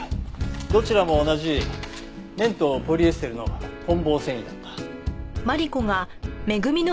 どちらも同じ綿とポリエステルの混紡繊維だった。